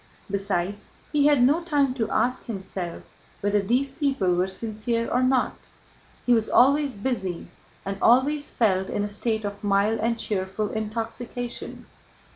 Besides, he had no time to ask himself whether these people were sincere or not. He was always busy and always felt in a state of mild and cheerful intoxication.